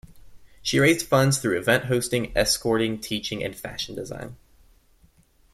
She raised funds through event hosting, escorting, teaching and fashion design.